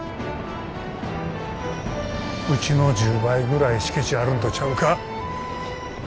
うちの１０倍ぐらい敷地あるんとちゃうか？